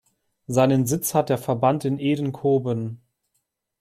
Seinen Sitz hat der Verband in Edenkoben.